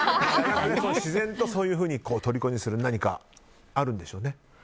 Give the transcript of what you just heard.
自然とそういうふうにとりこにする何かがあるんでしょうね。